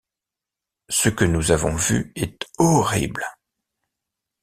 Ce que nous avons vu est horrible.